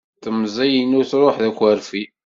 Temẓi inu truḥ d akeṛfi.